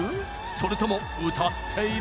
それとも歌っている？